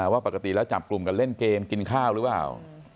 ว่าปกติแล้วจับกลุ่มกันเล่นเกมกินข้าวหรือเปล่า